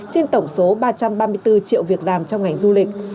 trên tổng số ba trăm ba mươi bốn triệu việc làm trong ngành du lịch